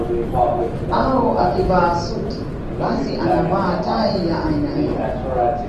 Au akivaa suti basi anavaa tai ya aina hiyo